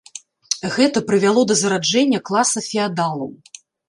Гэта прывяло да зараджэння класа феадалаў.